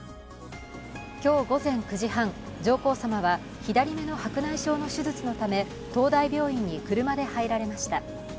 今日午前９時半、上皇さまは左目の白内障の手術のため東大病院に車で入られました。